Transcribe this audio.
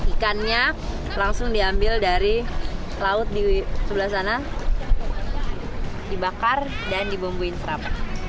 ikannya langsung diambil dari laut di sebelah sana dibakar dan dibumbuin serap